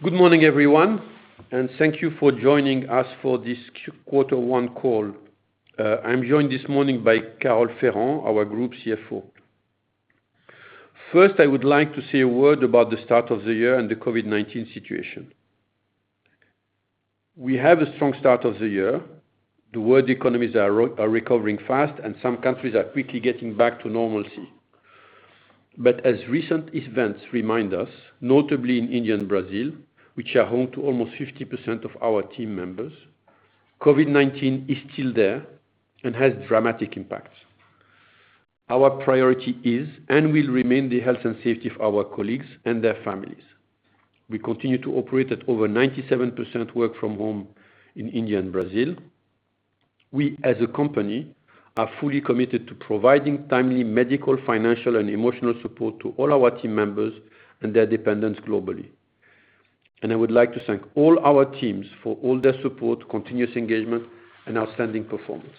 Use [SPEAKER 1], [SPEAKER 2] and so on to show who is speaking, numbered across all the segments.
[SPEAKER 1] Good morning, everyone, and thank you for joining us for this quarter one call. I'm joined this morning by Carole Ferrand, our Group CFO. First, I would like to say a word about the start of the year and the COVID-19 situation. We have a strong start of the year. The world economies are recovering fast, and some countries are quickly getting back to normalcy. As recent events remind us, notably in India and Brazil, which are home to almost 50% of our team members, COVID-19 is still there and has dramatic impacts. Our priority is, and will remain, the health and safety of our colleagues and their families. We continue to operate at over 97% work from home in India and Brazil. We, as a company, are fully committed to providing timely medical, financial, and emotional support to all our team members and their dependents globally. I would like to thank all our teams for all their support, continuous engagement, and outstanding performance.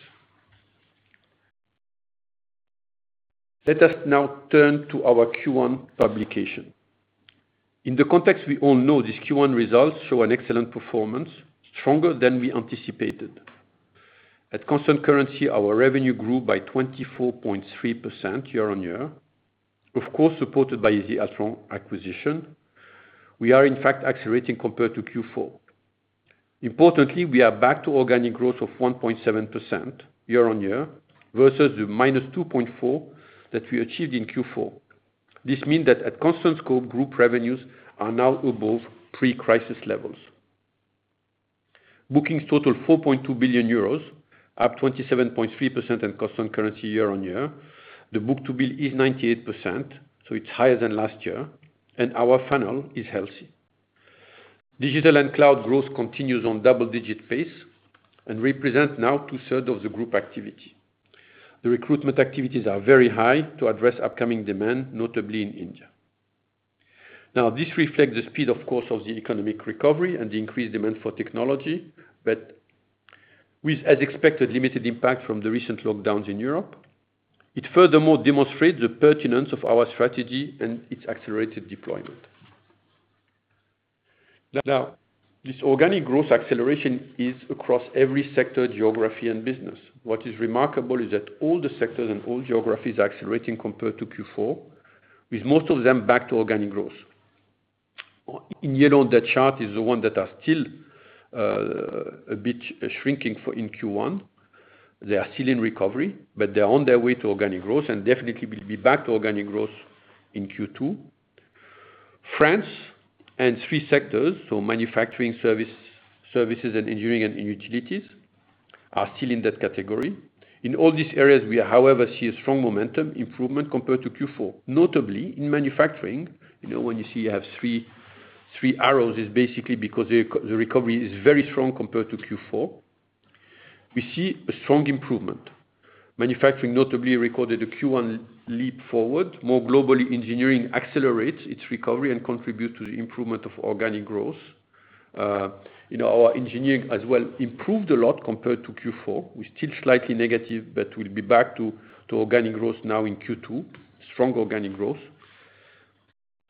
[SPEAKER 1] Let us now turn to our Q1 publication. In the context we all know, these Q1 results show an excellent performance, stronger than we anticipated. At constant currency, our revenue grew by 24.3% year-on-year. Of course, supported by the Altran acquisition. We are, in fact, accelerating compared to Q4. Importantly, we are back to organic growth of 1.7% year-on-year versus the -2.4% that we achieved in Q4. This means that at constant scope, group revenues are now above pre-crisis levels. Bookings total 4.2 billion euros, up 27.3% at constant currency year-on-year. The book-to-bill is 98%. It's higher than last year. Our funnel is healthy. Digital and cloud growth continues on double-digit pace and represents now two-thirds of the group activity. The recruitment activities are very high to address upcoming demand, notably in India. This reflects the speed, of course, of the economic recovery and the increased demand for technology. As expected, limited impact from the recent lockdowns in Europe. It furthermore demonstrates the pertinence of our strategy and its accelerated deployment. This organic growth acceleration is across every sector, geography, and business. What is remarkable is that all the sectors and all geographies are accelerating compared to Q4, with most of them back to organic growth. In yellow on that chart is the ones that are still a bit shrinking in Q1. They are still in recovery, but they're on their way to organic growth and definitely will be back to organic growth in Q2. France and three sectors, so manufacturing, services, and engineering and utilities, are still in that category. In all these areas, we, however, see a strong momentum improvement compared to Q4, notably in Manufacturing. When you see you have three arrows, it's basically because the recovery is very strong compared to Q4. We see a strong improvement. Manufacturing notably recorded a Q1 leap forward. More globally, Engineering accelerates its recovery and contributes to the improvement of organic growth. Our Engineering as well improved a lot compared to Q4, with still slightly negative, but we'll be back to organic growth now in Q2, strong organic growth.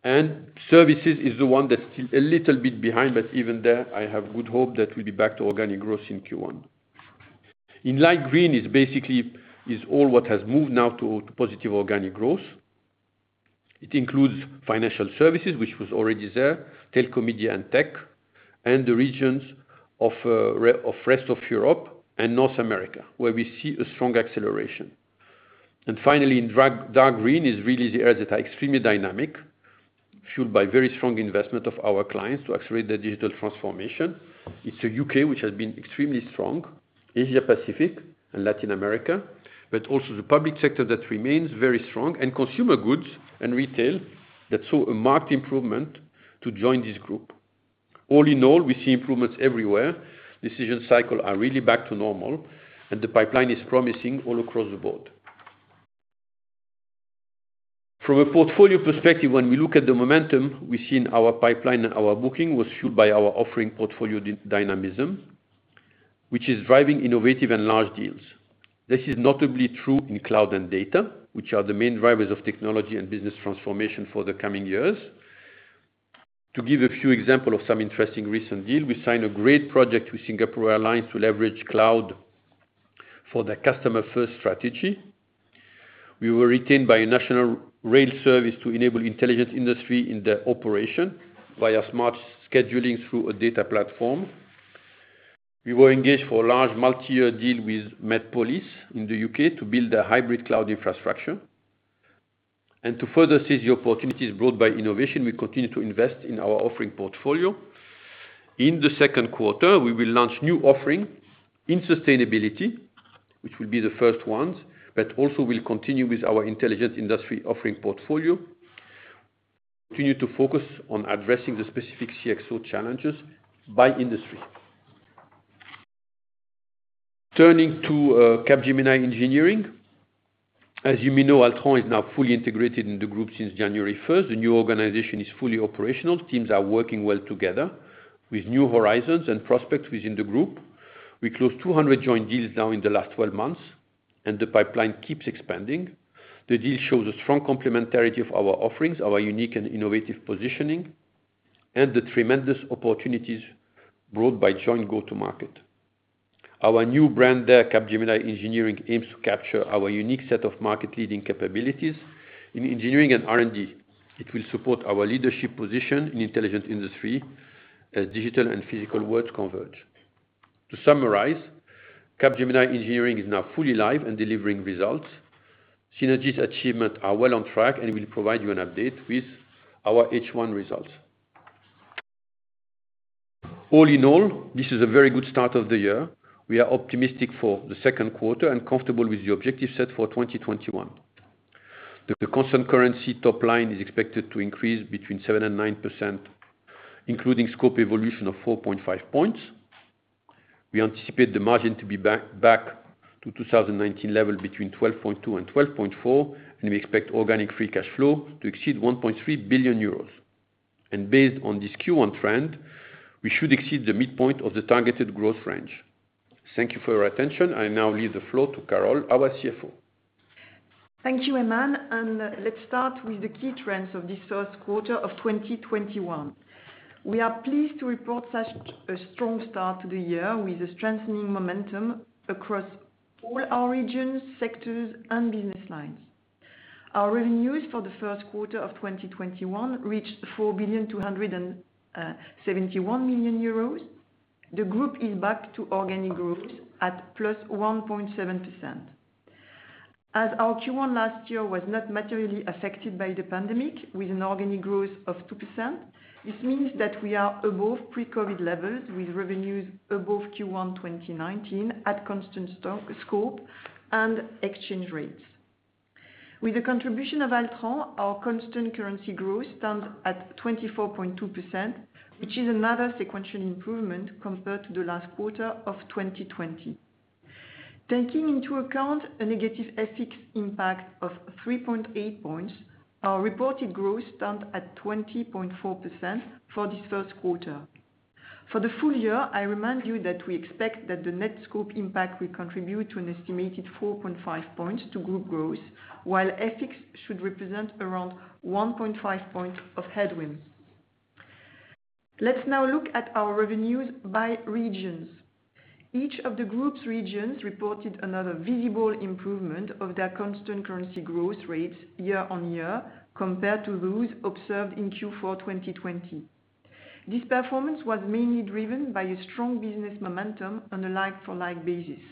[SPEAKER 1] Services is the one that's still a little bit behind, but even there, I have good hope that we'll be back to organic growth in Q1. In light green is basically all what has moved now to positive organic growth. It includes financial services, which was already there, telco, media, and tech, and the regions of rest of Europe and North America, where we see a strong acceleration. Finally, in dark green is really the areas that are extremely dynamic, fueled by very strong investment of our clients to accelerate their digital transformation. It's the U.K., which has been extremely strong, Asia-Pacific, and Latin America, but also the public sector that remains very strong, and consumer goods and retail that saw a marked improvement to join this group. All in all, we see improvements everywhere. Decision cycles are really back to normal, and the pipeline is promising all across the board. From a portfolio perspective, when we look at the momentum we see in our pipeline and our booking was fueled by our offering portfolio dynamism, which is driving innovative and large deals. This is notably true in cloud and data, which are the main drivers of technology and business transformation for the coming years. To give a few example of some interesting recent deal, we signed a great project with Singapore Airlines to leverage cloud for their customer-first strategy. We were retained by a national rail service to enable Intelligent Industry in their operation via smart scheduling through a data platform. We were engaged for a large multi-year deal with Met Police in the U.K. to build a hybrid cloud infrastructure. To further seize the opportunities brought by innovation, we continue to invest in our offering portfolio. In the second quarter, we will launch new offering in sustainability, which will be the first ones, but also we'll continue with our Intelligent Industry offering portfolio, continue to focus on addressing the specific CXO challenges by industry. Turning to Capgemini Engineering. As you may know, Altran is now fully integrated in the group since January 1st. The new organization is fully operational. Teams are working well together with new horizons and prospects within the group. We closed 200 joint deals now in the last 12 months. The pipeline keeps expanding. The deal shows a strong complementarity of our offerings, our unique and innovative positioning, and the tremendous opportunities brought by joint go to market. Our new brand there, Capgemini Engineering, aims to capture our unique set of market leading capabilities in engineering and R&D. It will support our leadership position in Intelligent Industry as digital and physical worlds converge. To summarize, Capgemini Engineering is now fully live and delivering results. Synergies achievement are well on track and we'll provide you an update with our H1 results. All in all, this is a very good start of the year. We are optimistic for the second quarter and comfortable with the objective set for 2021. The constant currency top line is expected to increase between 7% and 9%, including scope evolution of 4.5 points. We anticipate the margin to be back to 2019 level between 12.2% and 12.4%. We expect organic free cash flow to exceed 1.3 billion euros. Based on this Q1 trend, we should exceed the midpoint of the targeted growth range. Thank you for your attention. I now leave the floor to Carole, our CFO.
[SPEAKER 2] Thank you, Aiman. Let's start with the key trends of this first quarter of 2021. We are pleased to report such a strong start to the year with a strengthening momentum across all our regions, sectors, and business lines. Our revenues for the first quarter of 2021 reached 4,271,000,000 euros. The group is back to organic growth at +1.7%. As our Q1 last year was not materially affected by the pandemic with an organic growth of 2%, this means that we are above pre-COVID-19 levels with revenues above Q1 2019 at constant scope and exchange rates. With the contribution of Altran, our constant currency growth stands at 24.2%, which is another sequential improvement compared to the last quarter of 2020. Taking into account a negative FX impact of 3.8 points, our reported growth stands at 20.4% for this first quarter. For the full year, I remind you that we expect that the net scope impact will contribute to an estimated 4.5 points to group growth, while FX should represent around 1.5 points of headwind. Let's now look at our revenues by regions. Each of the group's regions reported another visible improvement of their constant currency growth rates year-on-year compared to those observed in Q4 2020. This performance was mainly driven by a strong business momentum on a like-for-like basis.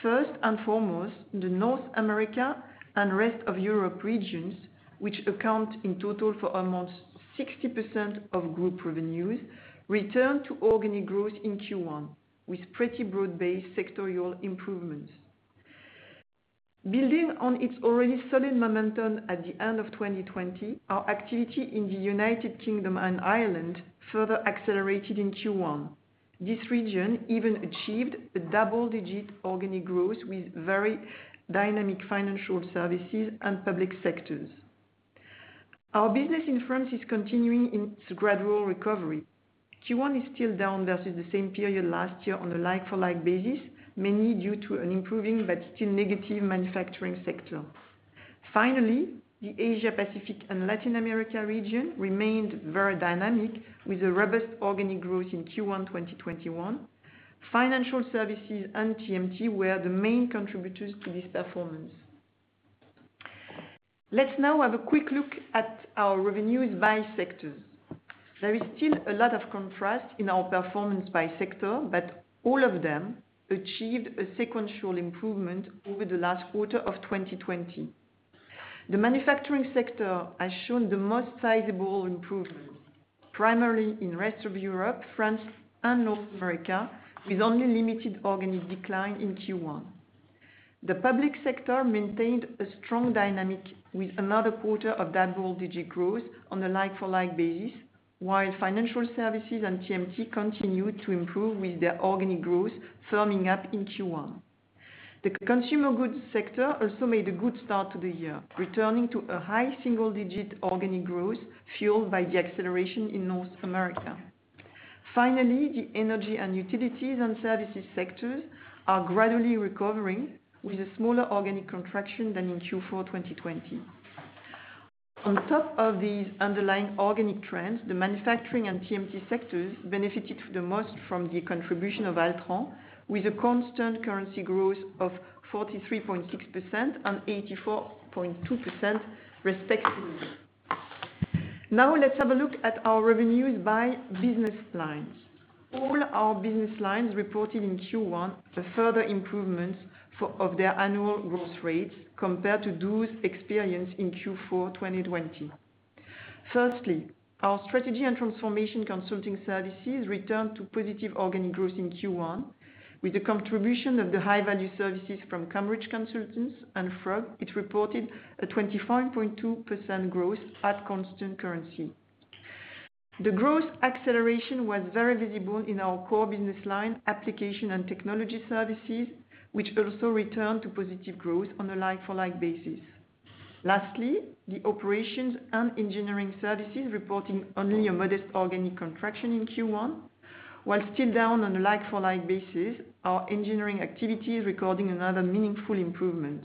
[SPEAKER 2] First and foremost, the North America and rest of Europe regions, which account in total for almost 60% of group revenues, returned to organic growth in Q1, with pretty broad-based sectorial improvements. Building on its already solid momentum at the end of 2020, our activity in the United Kingdom and Ireland further accelerated in Q1. This region even achieved a double-digit organic growth with very dynamic financial services and public sectors. Our business in France is continuing its gradual recovery. Q1 is still down versus the same period last year on a like-for-like basis, mainly due to an improving but still negative manufacturing sector. Finally, the Asia-Pacific and Latin America region remained very dynamic with a robust organic growth in Q1 2021. Financial services and TMT were the main contributors to this performance. Let's now have a quick look at our revenues by sectors. There is still a lot of contrast in our performance by sector, but all of them achieved a sequential improvement over the last quarter of 2020. The manufacturing sector has shown the most sizable improvement, primarily in rest of Europe, France, and North America, with only limited organic decline in Q1. The public sector maintained a strong dynamic with another quarter of double-digit growth on a like-for-like basis, while financial services and TMT continued to improve with their organic growth firming up in Q1. The consumer goods sector also made a good start to the year, returning to a high single-digit organic growth fueled by the acceleration in North America. Finally, the energy and utilities and services sectors are gradually recovering with a smaller organic contraction than in Q4 2020. On top of these underlying organic trends, the manufacturing and TMT sectors benefited the most from the contribution of Altran with a constant currency growth of 43.6% and 84.2% respectively. Now, let's have a look at our revenues by business lines. All our business lines reported in Q1 a further improvements of their annual growth rates compared to those experienced in Q4 2020. Our Strategy and Transformation Consulting Services returned to positive organic growth in Q1. With the contribution of the high value services from Cambridge Consultants and Frog, it reported a 25.2% growth at constant currency. The growth acceleration was very visible in our core business line Application and Technology Services, which also returned to positive growth on a like-for-like basis. The Operations and Engineering services reporting only a modest organic contraction in Q1 while still down on a like-for-like basis, our engineering activity is recording another meaningful improvement.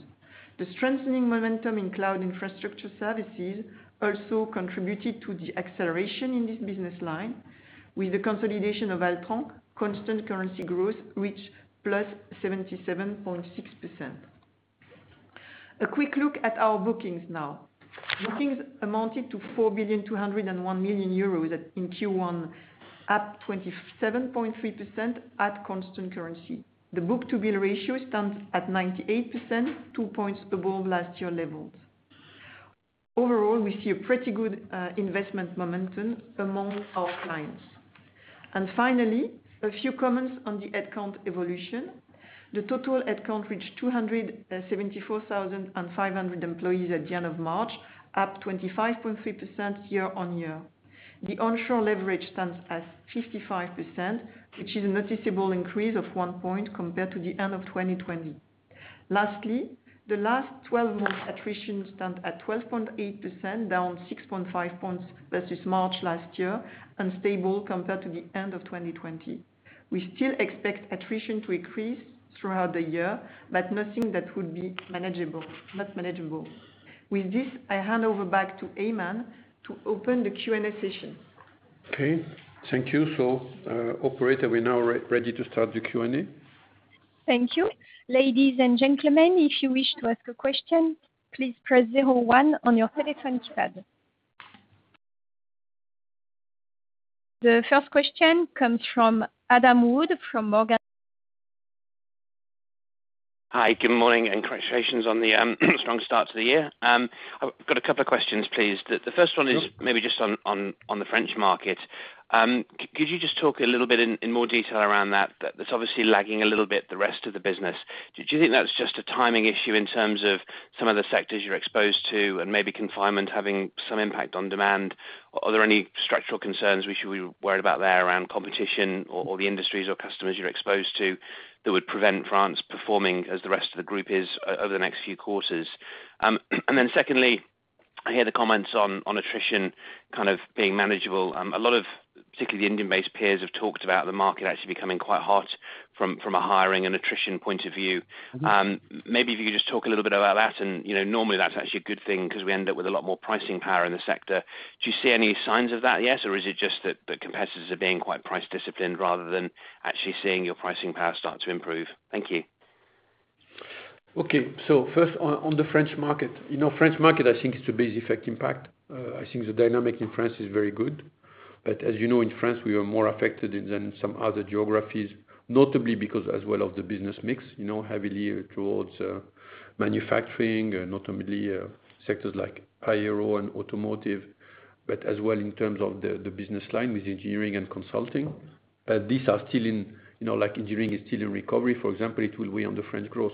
[SPEAKER 2] The strengthening momentum in cloud infrastructure services also contributed to the acceleration in this business line. With the consolidation of Altran, constant currency growth reached +77.6%. A quick look at our bookings now. Bookings amounted to 4.201 billion euros in Q1, up 27.3% at constant currency. The book-to-bill ratio stands at 98%, two points above last year levels. Overall, we see a pretty good investment momentum among our clients. Finally, a few comments on the headcount evolution. The total headcount reached 274,500 employees at the end of March, up 25.3% year-on-year. The onshore leverage stands at 55%, which is a noticeable increase of one point compared to the end of 2020. Lastly, the last 12 months attrition stands at 12.8%, down 6.5 points versus March last year, and stable compared to the end of 2020. We still expect attrition to increase throughout the year, but nothing that would be not manageable. With this, I hand over back to Aiman to open the Q and A session.
[SPEAKER 1] Okay. Thank you. Operator, we're now ready to start the Q and A.
[SPEAKER 3] Thank you. Ladies and gentlemen, if you wish to ask a question, please press zero one on your telephone keypad. The first question comes from Adam Wood, from Morgan-
[SPEAKER 4] Hi. Good morning. Congratulations on the strong start to the year. I've got a couple of questions, please. The first one is maybe just on the French market. Could you just talk a little bit in more detail around that? That's obviously lagging a little bit, the rest of the business. Do you think that's just a timing issue in terms of some of the sectors you're exposed to and maybe confinement having some impact on demand? Are there any structural concerns we should be worried about there around competition or the industries or customers you're exposed to that would prevent France performing as the rest of the group is over the next few quarters? Secondly, I hear the comments on attrition kind of being manageable. A lot of, particularly the Indian-based peers, have talked about the market actually becoming quite hot from a hiring and attrition point of view. Maybe if you could just talk a little bit about that. Normally that's actually a good thing because we end up with a lot more pricing power in the sector. Do you see any signs of that yet, or is it just that the competitors are being quite price disciplined rather than actually seeing your pricing power start to improve? Thank you.
[SPEAKER 1] Okay. First on the French market. French market, I think it's a base effect impact. I think the dynamic in France is very good. As you know, in France, we are more affected than some other geographies, notably because as well of the business mix, heavily towards manufacturing and ultimately sectors like aero and automotive, but as well in terms of the business line with Engineering and Consulting. Like Engineering is still in recovery, for example. It will weigh on the French growth.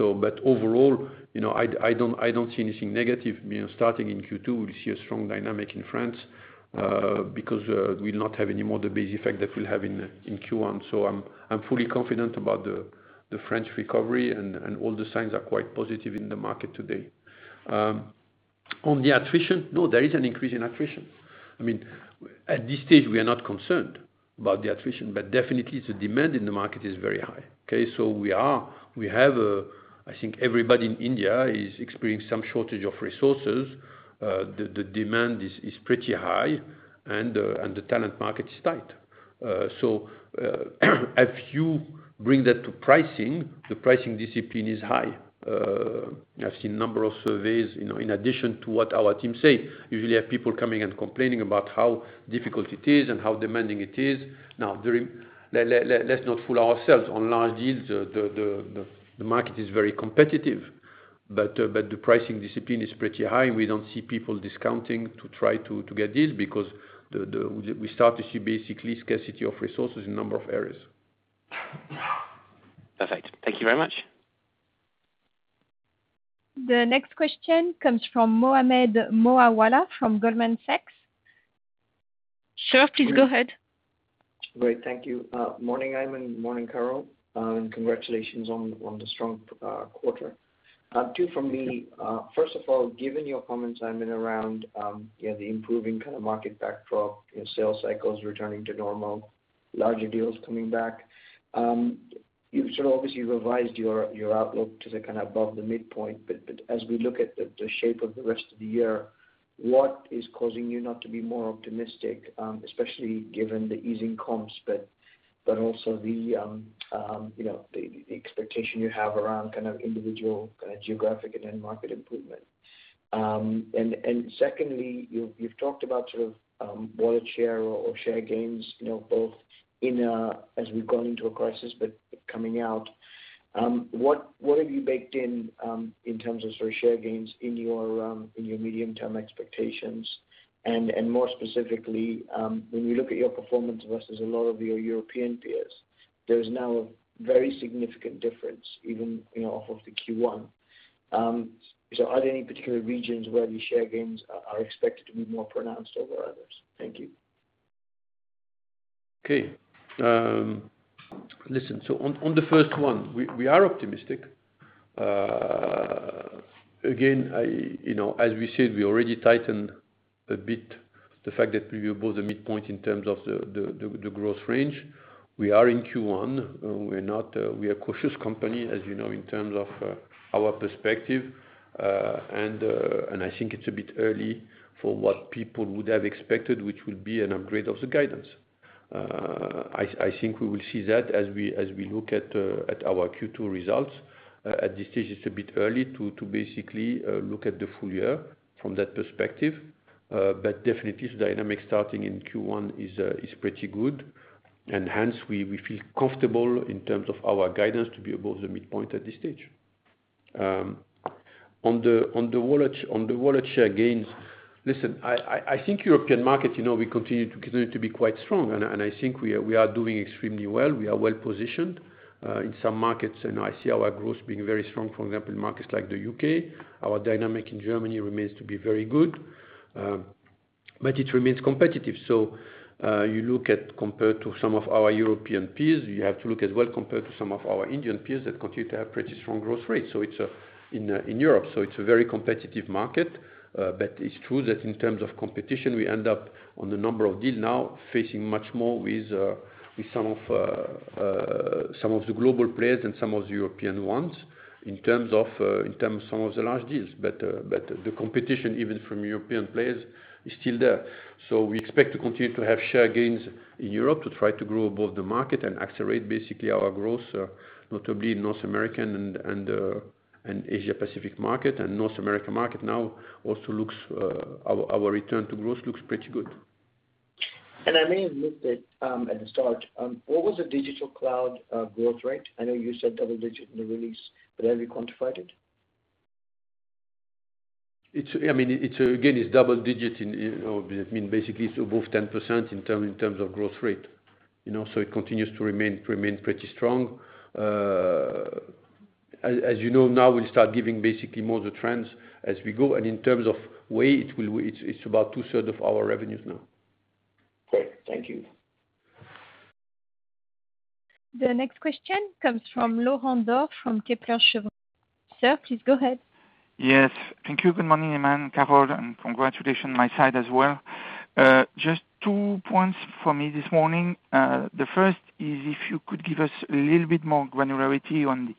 [SPEAKER 1] Overall, I don't see anything negative. Starting in Q2, we'll see a strong dynamic in France, because we'll not have any more the base effect that we'll have in Q1. I'm fully confident about the French recovery, and all the signs are quite positive in the market today. On the attrition, no, there is an increase in attrition. I mean, at this stage, we are not concerned about the attrition, but definitely the demand in the market is very high, okay? We have, I think everybody in India is experiencing some shortage of resources. The demand is pretty high and the talent market is tight. If you bring that to pricing, the pricing discipline is high. I've seen a number of surveys in addition to what our team say. Usually have people coming and complaining about how difficult it is and how demanding it is. Now, let's not fool ourselves. On large deals, the market is very competitive. The pricing discipline is pretty high, and we don't see people discounting to try to get deals because we start to see basically scarcity of resources in a number of areas.
[SPEAKER 4] Perfect. Thank you very much.
[SPEAKER 3] The next question comes from Mohammed Moawalla from Goldman Sachs. Sure, please go ahead.
[SPEAKER 5] Great. Thank you. Morning, Aiman. Morning, Carole. Congratulations on the strong quarter. First of all, given your comments, Aiman, around the improving kind of market backdrop, sales cycles returning to normal, larger deals coming back, you've sort of obviously revised your outlook to the kind of above the midpoint, but as we look at the shape of the rest of the year, what is causing you not to be more optimistic, especially given the easing comps, but also the expectation you have around kind of individual geographic and end market improvement? Secondly, you've talked about sort of wallet share or share gains both as we've gone into a crisis but coming out. What have you baked in terms of sort of share gains in your medium-term expectations? More specifically, when we look at your performance versus a lot of your European peers, there is now a very significant difference even off of the Q1. Are there any particular regions where these share gains are expected to be more pronounced over others? Thank you.
[SPEAKER 1] Okay. Listen, on the first one, we are optimistic. Again, as we said, we already tightened a bit the fact that we were above the midpoint in terms of the growth range. We are in Q1. We're a cautious company, as you know, in terms of our perspective. I think it's a bit early for what people would have expected, which will be an upgrade of the guidance. I think we will see that as we look at our Q2 results. At this stage, it's a bit early to basically look at the full year from that perspective. Definitely the dynamic starting in Q1 is pretty good. Hence, we feel comfortable in terms of our guidance to be above the midpoint at this stage. On the wallet share gains, listen, I think European market, we continue to be quite strong, and I think we are doing extremely well. We are well-positioned in some markets, and I see our growth being very strong, for example, in markets like the U.K. Our dynamic in Germany remains to be very good. It remains competitive. You look at compared to some of our European peers, you have to look as well compared to some of our Indian peers that continue to have pretty strong growth rates in Europe. It's a very competitive market. It's true that in terms of competition, we end up on a number of deals now facing much more with some of the global players than some of the European ones in terms of some of the large deals. The competition, even from European players, is still there. We expect to continue to have share gains in Europe to try to grow above the market and accelerate basically our growth, notably in North American and Asia Pacific market. North America market now also, our return to growth looks pretty good.
[SPEAKER 5] I may have missed it at the start. What was the digital cloud growth rate? I know you said double digit in the release, but have you quantified it?
[SPEAKER 1] Again, it's double digit. Basically, it's above 10% in terms of growth rate. It continues to remain pretty strong. As you know now, we'll start giving basically more of the trends as we go. In terms of weight, it's about 2/3 of our revenues now.
[SPEAKER 5] Great. Thank you.
[SPEAKER 3] The next question comes from Laurent Daure from Kepler Cheuvreux. Sir, please go ahead.
[SPEAKER 6] Yes. Thank you. Good morning, Aiman, Carole, and congratulations my side as well. Just two points for me this morning. The first is if you could give us a little bit more granularity on the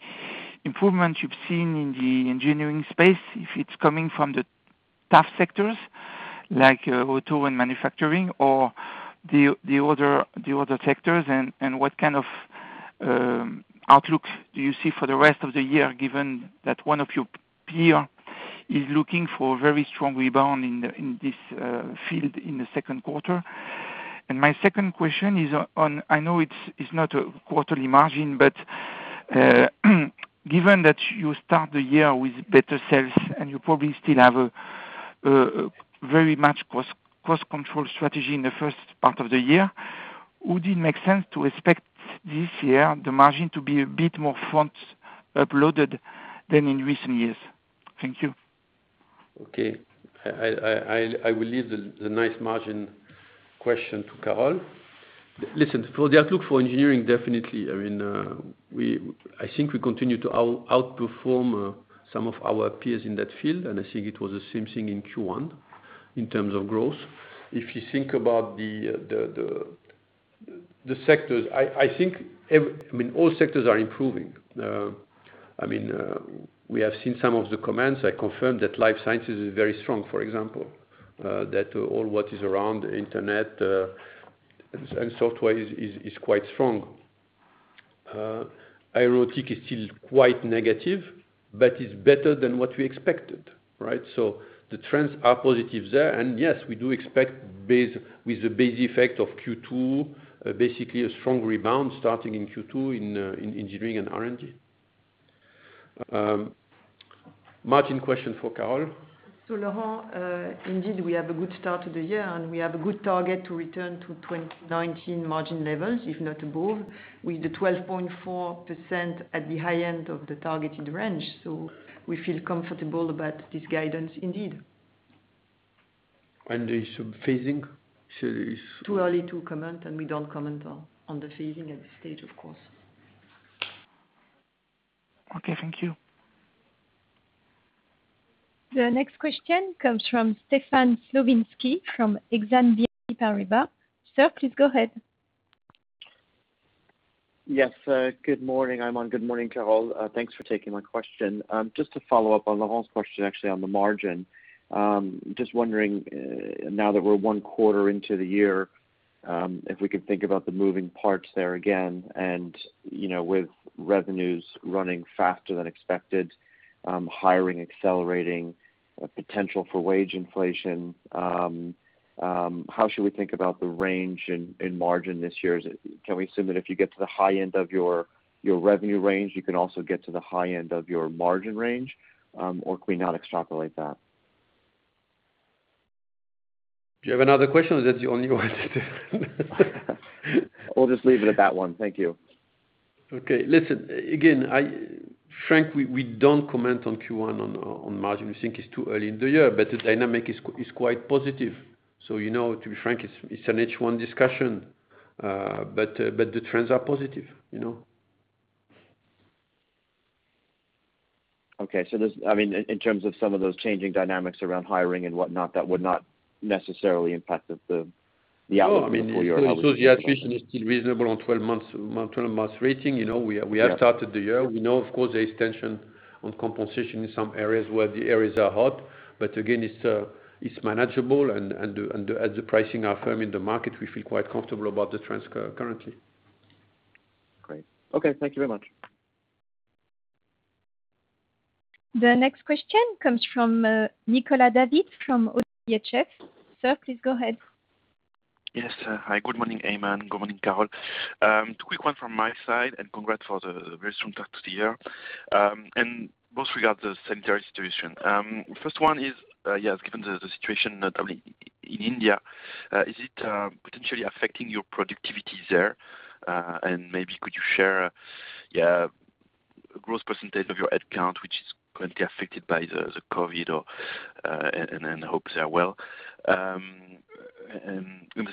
[SPEAKER 6] improvements you've seen in the engineering space, if it's coming from the tough sectors like auto and manufacturing, or the other sectors, and what kind of outlook do you see for the rest of the year, given that one of your peer is looking for very strong rebound in this field in the second quarter? My second question is on, I know it's not a quarterly margin, but given that you start the year with better sales and you probably still have a very much cost control strategy in the first part of the year, would it make sense to expect this year the margin to be a bit more front-uploaded than in recent years? Thank you.
[SPEAKER 1] Okay. I will leave the nice margin question to Carole. For the outlook for engineering, definitely. I think we continue to outperform some of our peers in that field, and I think it was the same thing in Q1 in terms of growth. If you think about the sectors, I think all sectors are improving. We have seen some of the comments. I confirm that life sciences is very strong, for example. All what is around Internet and software is quite strong. Aeronautics is still quite negative, but is better than what we expected, right? The trends are positive there. Yes, we do expect with the base effect of Q2, basically a strong rebound starting in Q2 in engineering and R&D. Margin question for Carole.
[SPEAKER 2] Laurent, indeed, we have a good start to the year, and we have a good target to return to 2019 margin levels, if not above, with the 12.4% at the high end of the targeted range. We feel comfortable about this guidance indeed.
[SPEAKER 6] There is some phasing?
[SPEAKER 2] Too early to comment, and we don't comment on the phasing at this stage, of course.
[SPEAKER 6] Okay. Thank you.
[SPEAKER 3] The next question comes from Stefan Slowinski from Exane BNP Paribas. Sir, please go ahead.
[SPEAKER 7] Yes. Good morning, Aiman. Good morning, Carole. Thanks for taking my question. Just to follow up on Laurent's question, actually on the margin. Just wondering, now that we're one quarter into the year, if we could think about the moving parts there again, and with revenues running faster than expected, hiring accelerating, potential for wage inflation, how should we think about the range in margin this year? Can we assume that if you get to the high end of your revenue range, you can also get to the high end of your margin range? Can we not extrapolate that?
[SPEAKER 1] Do you have another question or is that the only one?
[SPEAKER 7] We'll just leave it at that one. Thank you.
[SPEAKER 1] Okay. Listen, again, frankly, we don't comment on Q1 on margin. We think it's too early in the year. The dynamic is quite positive. To be frank, it's an H1 discussion. The trends are positive.
[SPEAKER 7] Okay. In terms of some of those changing dynamics around hiring and whatnot, that would not necessarily impact the outlook for full year?
[SPEAKER 1] No. The attrition is still reasonable on 12-month rating. We have started the year. We know, of course, there is tension on compensation in some areas where the areas are hot. Again, it's manageable and as the pricing are firm in the market, we feel quite comfortable about the trends currently.
[SPEAKER 7] Great. Okay. Thank you very much.
[SPEAKER 3] The next question comes from Nicolas David from ODDO BHF. Sir, please go ahead.
[SPEAKER 8] Yes. Hi, good morning, Aiman. Good morning, Carole. Two quick ones from my side, congrats for the very strong start to the year, both regard the sanitary situation. First one is, given the situation not only in India, is it potentially affecting your productivity there? Maybe could you share a gross percentage of your head count, which is currently affected by the COVID-19, and I hope they are well. The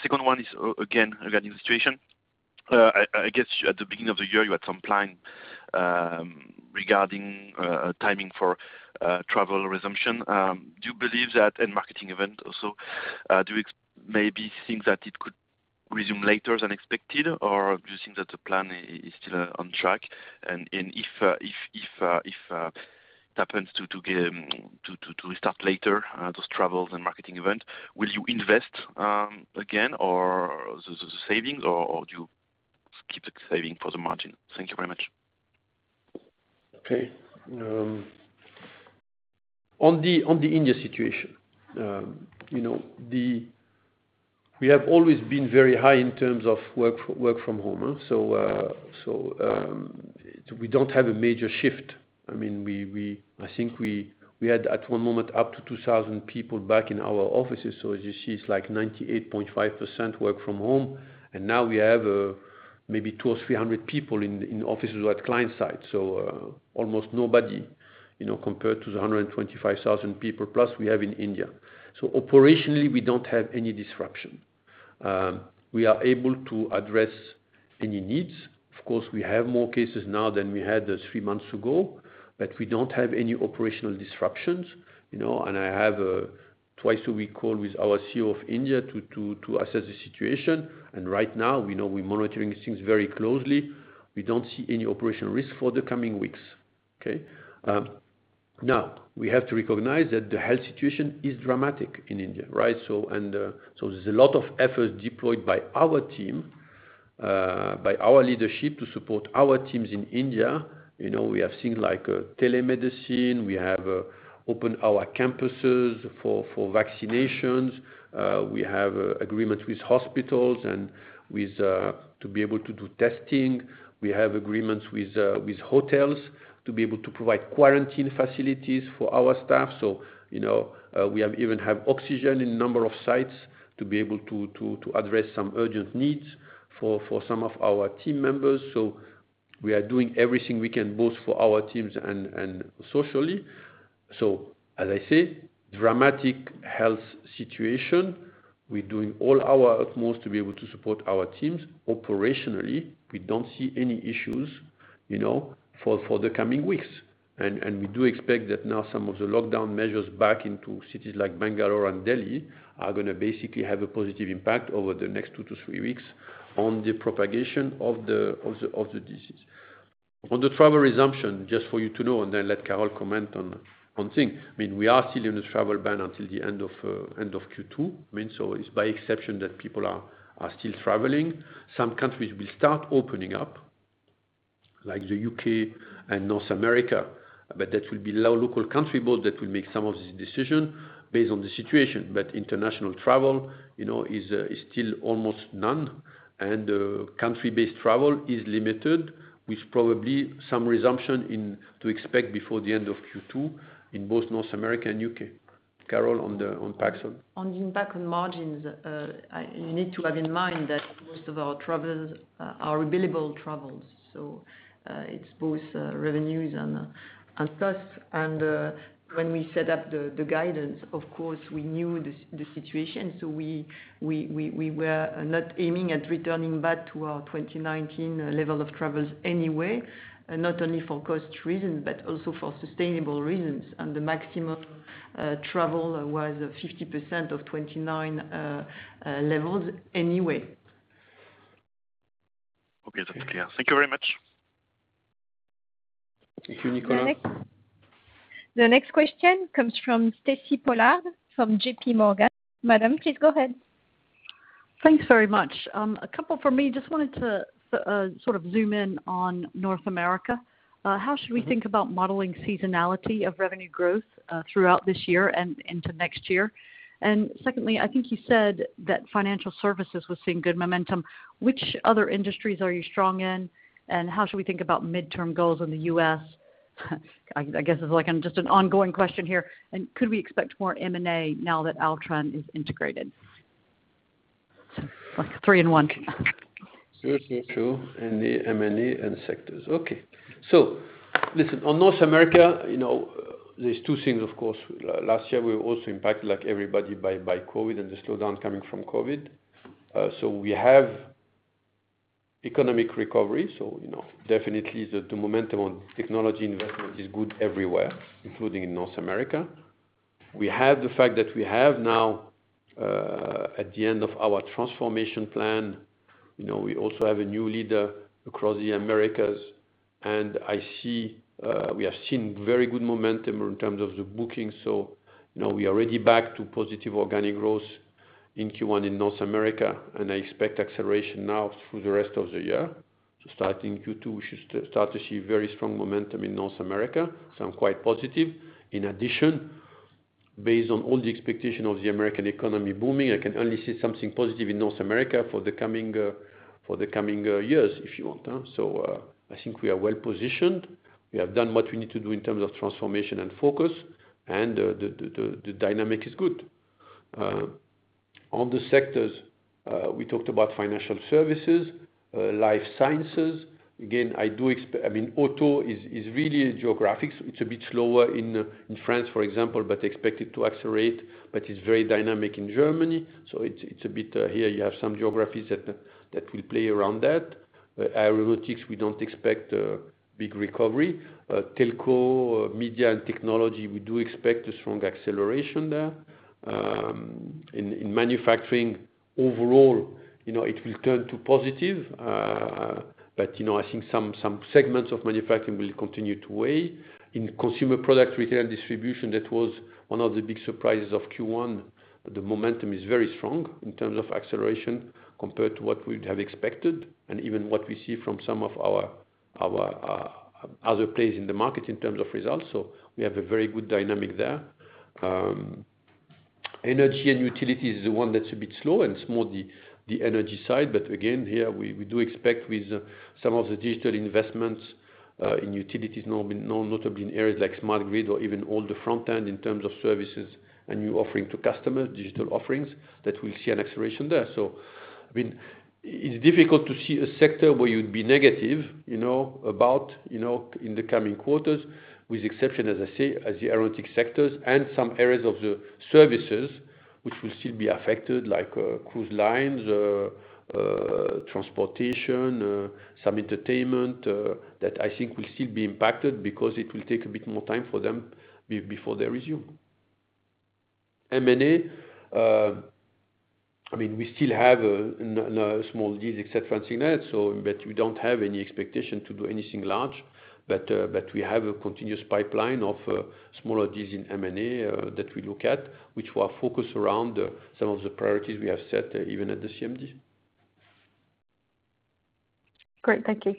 [SPEAKER 8] second one is, again, regarding the situation. I guess at the beginning of the year, you had some plan regarding timing for travel resumption. Marketing event also, do you maybe think that it could resume later than expected? Do you think that the plan is still on track? If happens to restart later, those travels and marketing event, will you invest again, or the savings, or do you keep the saving for the margin? Thank you very much.
[SPEAKER 1] Okay. On the India situation. We have always been very high in terms of work from home. We don't have a major shift. I think we had, at one moment, up to 2,000 people back in our offices. As you see, it's like 98.5% work from home. Now we have maybe 200 or 300 people in offices who are at client site. Almost nobody, compared to the 125,000+ people we have in India. Operationally, we don't have any disruption. We are able to address any needs. Of course, we have more cases now than we had three months ago. We don't have any operational disruptions. I have a twice-a-week call with our CEO of India to assess the situation. Right now, we know we're monitoring things very closely. We don't see any operational risk for the coming weeks. Okay? We have to recognize that the health situation is dramatic in India, right? There's a lot of effort deployed by our team, by our leadership to support our teams in India. We have things like telemedicine. We have opened our campuses for vaccinations. We have agreements with hospitals to be able to do testing. We have agreements with hotels to be able to provide quarantine facilities for our staff. We even have oxygen in a number of sites to be able to address some urgent needs for some of our team members. We are doing everything we can, both for our teams and socially. As I say, dramatic health situation. We're doing all our utmost to be able to support our teams. Operationally, we don't see any issues for the coming weeks. We do expect that now some of the lockdown measures back into cities like Bangalore and Delhi are going to basically have a positive impact over the next two to three weeks on the propagation of the disease. On the travel resumption, just for you to know, and then let Carole comment on things. We are still in a travel ban until the end of Q2. It's by exception that people are still traveling. Some countries will start opening up, like the U.K. and North America, but that will be local country board that will make some of these decisions based on the situation. International travel is still almost none. Country-based travel is limited, with probably some resumption to expect before the end of Q2 in both North America and U.K. Carole, on impact.
[SPEAKER 2] On the impact on margins, you need to have in mind that most of our travels are billable travels. It's both revenues and costs. When we set up the guidance, of course, we knew the situation, so we were not aiming at returning back to our 2019 level of travels anyway, not only for cost reasons but also for sustainable reasons. The maximum travel was 50% of 2019 levels anyway.
[SPEAKER 8] Okay. That's clear. Thank you very much.
[SPEAKER 1] Thank you, Nicolas.
[SPEAKER 3] The next question comes from Stacy Pollard from JPMorgan. Madam, please go ahead.
[SPEAKER 9] Thanks very much. A couple from me. Just wanted to sort of zoom in on North America. How should we think about modeling seasonality of revenue growth throughout this year and into next year? Secondly, I think you said that financial services was seeing good momentum. Which other industries are you strong in, and how should we think about midterm goals in the U.S.? I guess it's like just an ongoing question here. Could we expect more M&A now that Altran is integrated? Like three in one.
[SPEAKER 1] Sure. The M&A and sectors. Okay. Listen, on North America, there's two things, of course. Last year, we were also impacted, like everybody, by COVID-19 and the slowdown coming from COVID-19. We have economic recovery, so definitely the momentum on technology investment is good everywhere, including in North America. We have the fact that we have now at the end of our transformation plan, we also have a new leader across the Americas, and we have seen very good momentum in terms of the booking. We are already back to positive organic growth in Q1 in North America, and I expect acceleration now through the rest of the year. Starting Q2, we should start to see very strong momentum in North America. I'm quite positive. In addition, based on all the expectation of the American economy booming, I can only see something positive in North America for the coming years, if you want. I think we are well-positioned. We have done what we need to do in terms of transformation and focus and the dynamic is good. On the sectors, we talked about financial services, life sciences. Again, auto is really geographics. It's a bit slower in France, for example, but expected to accelerate, but it's very dynamic in Germany. It's a bit, here you have some geographies that will play around that. Aeronautics, we don't expect a big recovery. Telco, media, and technology, we do expect a strong acceleration there. In manufacturing overall, it will turn to positive. I think some segments of manufacturing will continue to weigh. In consumer product, retail, and distribution, that was one of the big surprises of Q1. The momentum is very strong in terms of acceleration compared to what we'd have expected and even what we see from some of our other plays in the market in terms of results. We have a very good dynamic there. Energy and utilities is the one that's a bit slow and it's more the energy side. Again, here we do expect with some of the digital investments, in utilities, notably in areas like smart grid or even all the front end in terms of services and new offering to customers, digital offerings, that we'll see an acceleration there. It's difficult to see a sector where you'd be negative in the coming quarters with exception, as I say, as the aeronautics sectors and some areas of the services which will still be affected, like cruise lines, transportation, some entertainment, that I think will still be impacted because it will take a bit more time for them before they resume. M&A, we still have small deals except FranceNet, we don't have any expectation to do anything large. We have a continuous pipeline of smaller deals in M&A, that we look at, which were focused around some of the priorities we have set even at the CMD.
[SPEAKER 9] Great. Thank you.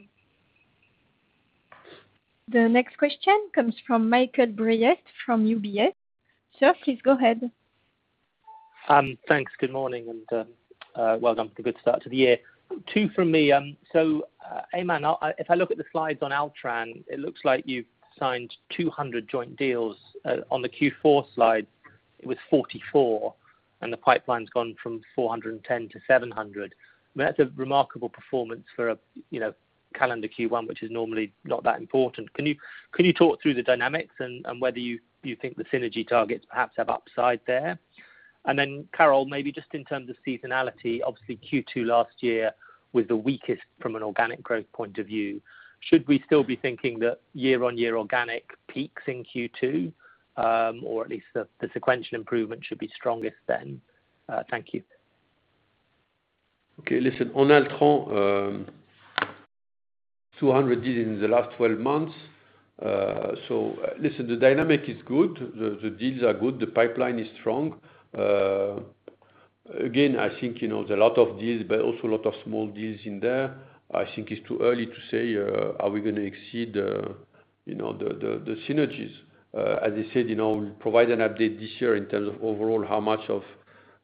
[SPEAKER 3] The next question comes from Michael Briest from UBS. Sir, please go ahead.
[SPEAKER 10] Thanks. Good morning, and well done for the good start to the year. Two from me. Aiman, if I look at the slides on Altran, it looks like you've signed 200 joint deals. On the Q4 slide, it was 44, and the pipeline's gone from 410 to 700. That's a remarkable performance for a calendar Q1, which is normally not that important. Can you talk through the dynamics and whether you think the synergy targets perhaps have upside there? Then Carole, maybe just in terms of seasonality, obviously Q2 last year was the weakest from an organic growth point of view. Should we still be thinking that year-over-year organic peaks in Q2 or at least the sequential improvement should be strongest then? Thank you.
[SPEAKER 1] Okay. Listen. On Altran, 200 deals in the last 12 months. Listen, the dynamic is good. The deals are good. The pipeline is strong. I think, there are a lot of deals, but also a lot of small deals in there. I think it's too early to say are we going to exceed the synergies. As I said, we'll provide an update this year in terms of overall, how much of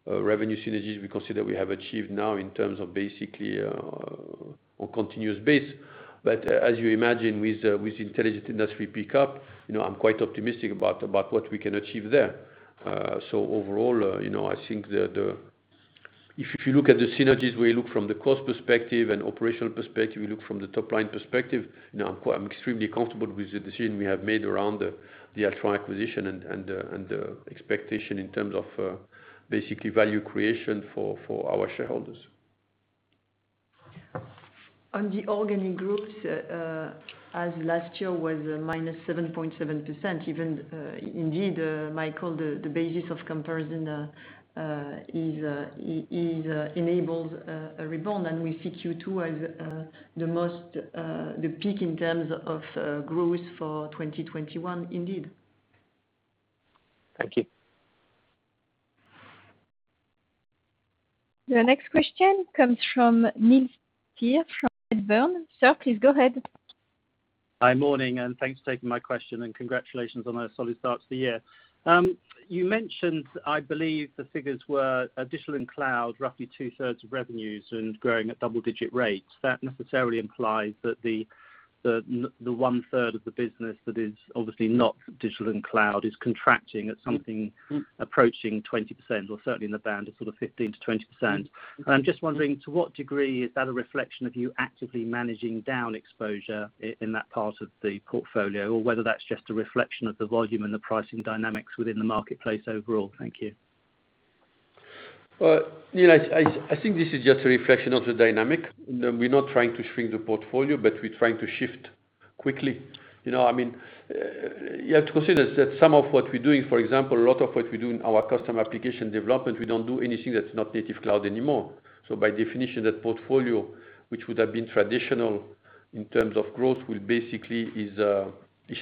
[SPEAKER 1] revenue synergies we consider we have achieved now in terms of basically on continuous basis. As you imagine with Intelligent Industry pickup, I'm quite optimistic about what we can achieve there. Overall, I think that if you look at the synergies, we look from the cost perspective and operational perspective, we look from the top-line perspective, I'm extremely comfortable with the decision we have made around the Altran acquisition and the expectation in terms of basically value creation for our shareholders.
[SPEAKER 2] On the organic growth, as last year was a -7.7%, indeed, Michael, the basis of comparison enables a rebound, and we see Q2 as the peak in terms of growth for 2021 indeed.
[SPEAKER 10] Thank you.
[SPEAKER 3] The next question comes from Neil Steer from Redburn. Sir, please go ahead.
[SPEAKER 11] Hi, morning. Thanks for taking my question and congratulations on a solid start to the year. You mentioned, I believe the figures were digital and cloud, roughly 2/3 of revenues and growing at double-digit rates. That necessarily implies that the one-third of the business that is obviously not digital and cloud is contracting at something approaching 20% or certainly in the band of sort of 15%-20%. I'm just wondering to what degree is that a reflection of you actively managing down exposure in that part of the portfolio or whether that's just a reflection of the volume and the pricing dynamics within the marketplace overall? Thank you.
[SPEAKER 1] Well, I think this is just a reflection of the dynamic. We're not trying to shrink the portfolio, but we're trying to shift quickly. You have to consider that some of what we're doing, for example, a lot of what we do in our custom application development, we don't do anything that's not native cloud anymore. By definition, that portfolio, which would have been traditional in terms of growth, basically is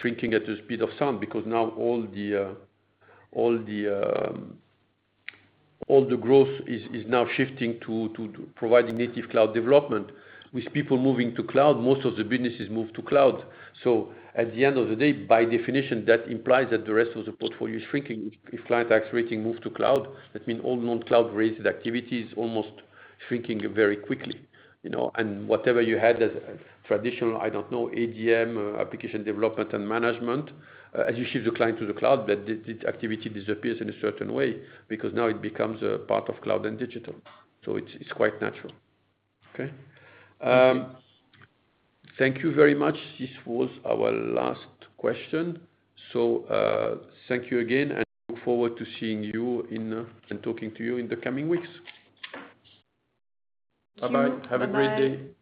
[SPEAKER 1] shrinking at the speed of sound because now all the growth is now shifting to providing native cloud development. With people moving to cloud, most of the businesses move to cloud. At the end of the day, by definition, that implies that the rest of the portfolio is shrinking. If client X rating move to cloud, that means all non-cloud-related activities almost shrinking very quickly. Whatever you had as traditional, I don't know, ADM, application development and management, as you shift the client to the cloud, that activity disappears in a certain way because now it becomes a part of cloud and digital. It's quite natural.
[SPEAKER 11] Okay
[SPEAKER 1] Thank you very much. This was our last question. Thank you again, and look forward to seeing you and talking to you in the coming weeks. Bye-bye.
[SPEAKER 2] Bye-bye.
[SPEAKER 1] Have a great day.